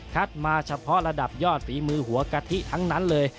มาเฉพาะระดับยอดฝีมือหัวกะทิทั้งนั้นเลย